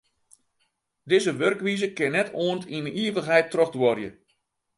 Dizze wurkwize kin net oant yn ivichheid trochduorje.